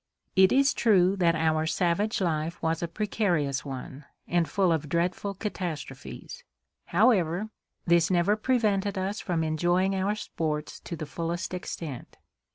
It is true that our savage life was a precarious one, and full of dreadful catastrophes; however, this never prevented us from enjoying our sports to the fullest extent.